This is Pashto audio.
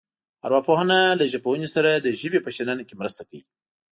ارواپوهنه له ژبپوهنې سره د ژبې په شننه کې مرسته کوي